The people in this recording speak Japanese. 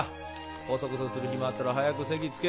コソコソする暇あったら早く席着け。